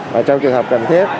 và trong trường học cần thiết